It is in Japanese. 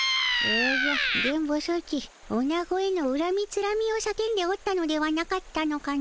おじゃ電ボソチオナゴへのうらみつらみを叫んでおったのではなかったのかの？